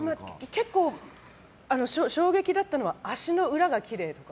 結構、衝撃だったのが足の裏がきれいとか。